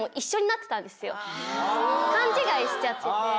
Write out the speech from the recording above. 勘違いしちゃってて。